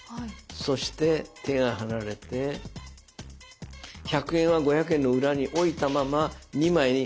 そして手が離れて１００円は５００円の裏に置いたまま２枚に。